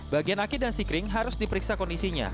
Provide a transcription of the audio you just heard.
bagian aki dan si kering harus diperiksa kondisinya